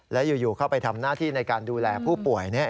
แล้วอยู่เข้าไปทำหน้าที่ในการดูแลผู้ป่วย